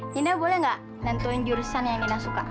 nina boleh gak nantuin jurusan yang nina suka